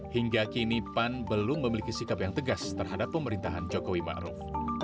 hingga kini pan belum memiliki sikap yang tegas terhadap pemerintahan jokowi ma'ruf